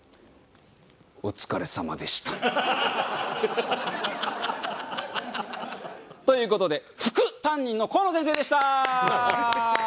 お疲れさまでした。という事で「副」担任のコウノ先生でした。